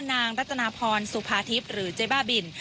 นางรัตนาพรสุภาทิพย์หรือเจ๊บ้าบิน